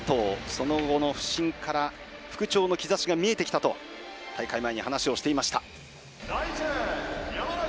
その後の不振から復調の兆しが見えてきたと大会前に話をしていました。